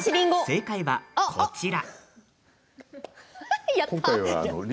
正解は、こちら。